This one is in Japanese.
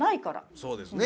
そうですね。